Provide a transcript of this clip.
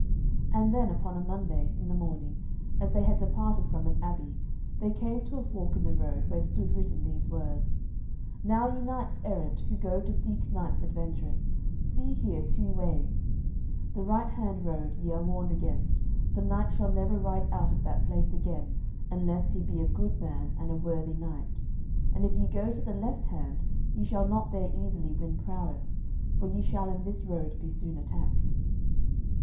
And then upon a Monday, in the morning, as they had departed from an abbey, they came to a fork in the road, where stood written these words: "Now ye knights errant, who go to seek knights adventurous, see here two ways; the right hand road ye are warned against, for knight shall never ride out of that place again unless he be a good man and a worthy knight; and if ye go to the left hand ye shall not there easily win prowess, for ye shall in this road be soon attacked."